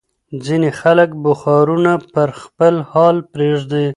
ځینې خلک بخارونه پر خپل حال پرېږدي.